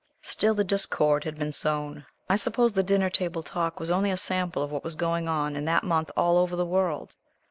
Still the discord had been sown. I suppose the dinner table talk was only a sample of what was going on, in that month, all over the world.